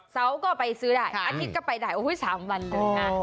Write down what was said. เซาก็ไปซื้อได้อาทิตย์ก็ไปได้โอ้วสามวันเลยค่ะ